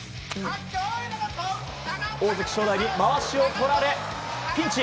大関、正代にまわしを取られピンチ。